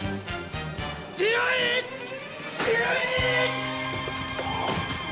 出会え出会え！